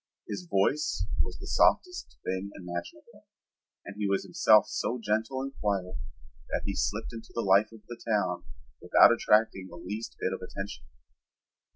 His voice was the softest thing imaginable, and he was himself so gentle and quiet that he slipped into the life of the town without attracting the least bit of attention.